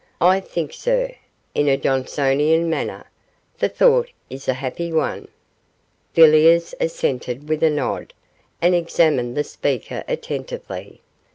I think, sir,' in a Johnsonian manner, 'the thought is a happy one.' Villiers assented with a nod, and examined the speaker attentively.